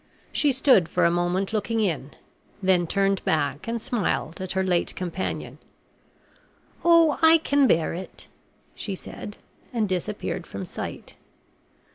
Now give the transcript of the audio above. She stood for a moment looking in, then turned back and smiled at her late companion. "Oh, I can bear it," she said, and disappeared from sight.